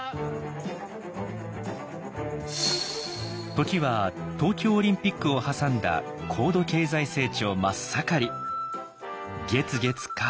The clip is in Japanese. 時は東京オリンピックを挟んだ高度経済成長真っ盛り。